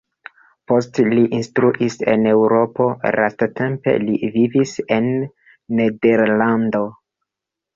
Poste li instruis en Eŭropo, lastatempe li vivis en Nederlando.